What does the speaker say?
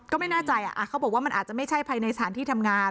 ก็ไม่แน่ใจเขาบอกว่ามันอาจจะไม่ใช่ภายในสถานที่ทำงาน